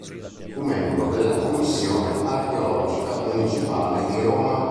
Fu membro della Commissione archeologica municipale di Roma.